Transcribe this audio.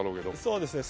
そうですね。